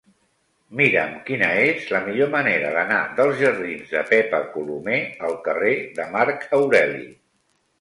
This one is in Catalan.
Mira'm quina és la millor manera d'anar dels jardins de Pepa Colomer al carrer de Marc Aureli.